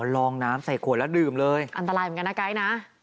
ลองน้ำใส่ขวดแล้วดื่มเลยอันตรายเหมือนกันนะไกด์นะ